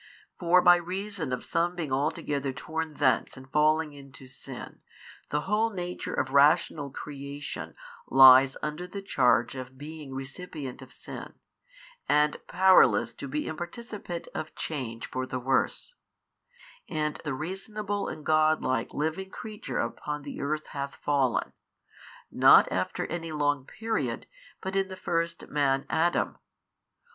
For by reason of some being altogether torn thence and falling into sin, the whole nature of the rational creation lies under the charge of being recipient of sin, and powerless to be imparticipate of change for the worse: and the reasonable and godlike living creature upon the earth hath fallen, not after any long period, but in the first man Adam.